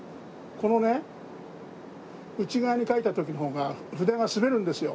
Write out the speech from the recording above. このね内側に描いた時の方が筆が滑るんですよ。